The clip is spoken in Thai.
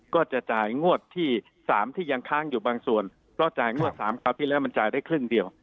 ก็จะจ่ายงวดที่๓ที่ยังค้างอยู่บางส่วนเพราะจ่ายงวด๓คราวที่แล้วมันจ่ายได้ครึ่งเดียว